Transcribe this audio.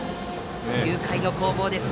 ９回の攻防です。